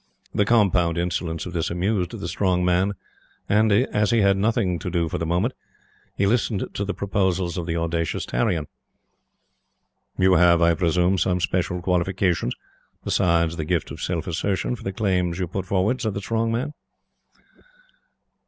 The compound insolence of this amused the Strong Man, and, as he had nothing to do for the moment, he listened to the proposals of the audacious Tarrion. "You have, I presume, some special qualifications, besides the gift of self assertion, for the claims you put forwards?" said the Strong Man.